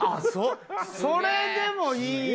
それでもいい。